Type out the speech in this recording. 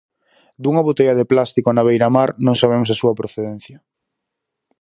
Dunha botella de plástico na beiramar non sabemos a súa procedencia.